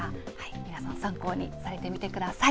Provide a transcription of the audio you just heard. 皆さん参考にされてみてください。